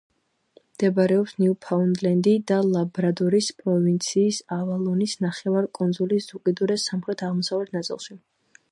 მდებარეობს ნიუფაუნდლენდი და ლაბრადორის პროვინციის ავალონის ნახევარკუნძულის უკიდურეს სამხრეთ-აღმოსავლეთ ნაწილში.